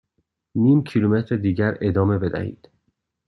نیم کیلومتر دیگر ادامه بدهید.